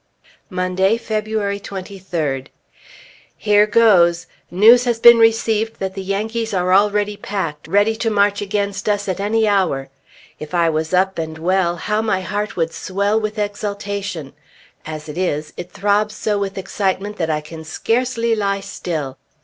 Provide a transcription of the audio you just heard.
Monday, February 23d. Here goes! News has been received that the Yankees are already packed, ready to march against us at any hour. If I was up and well, how my heart would swell with exultation. As it is, it throbs so with excitement that I can scarcely lie still.